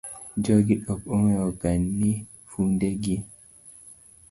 Jogi ok ong'eyo ga ni funde gi.